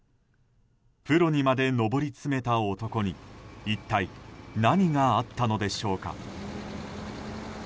プロにまで上り詰めた男に一体何があったのでしょうか。